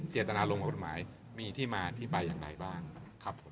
เจตนารมณ์ของกฎหมายมีที่มาที่ไปอย่างไรบ้างครับผม